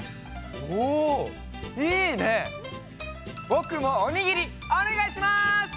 ぼくもおにぎりおねがいします！